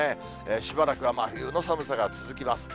しばらくは真冬の寒さが続きます。